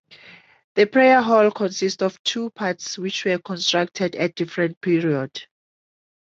The prayer hall consists of two parts which were constructed at different period.